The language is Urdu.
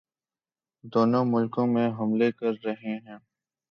دونوں ملکوں میں حملے کررہے ہیں